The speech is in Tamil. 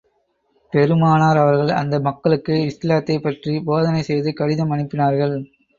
பெருமானார் அவர்கள், அந்த மக்களுக்கு இஸ்லாத்தைப் பற்றிப் போதனை செய்து கடிதம் அனுப்பினார்கள்.